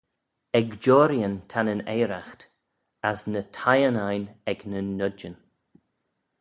Ec joarreeyn ta nyn eiraght, as ny thieyn ain ec nyn noidyn.